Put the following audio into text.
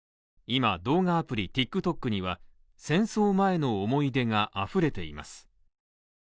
今、動画アプリＴｉｋＴｏｋには戦争前の思い出があふれています。